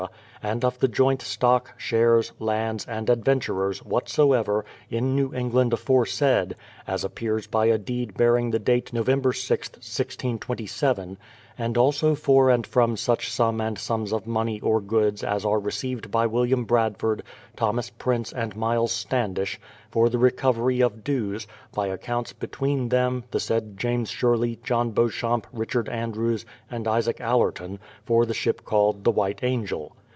and of the joint stock, shares, lands, and adventurers, whatsoever, in New England 308 BRADFORD'S HISTORY OF aforesaid, as appears by a deed bearing the date Nov. 6th, 1627 ; and also for and from such sum and sums of money or goods as are received by William Bradford, Thomas Pi ince, and Myles Stand ish, for the recovery of dues, by accounts between them, tlie said James Sherley, John Bcauchamp, Richard Andrews, and Isaac Allerton, for the ship called the White Angel.